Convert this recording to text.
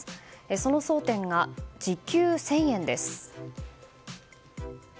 その争点が時給１０００円です。